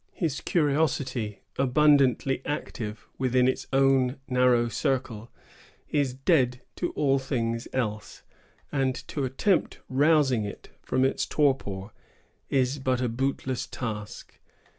His curiosity, abundantly active within its own narrow circle, is dead to all things else; and to attempt rousing it from its torpor is but a bootless task.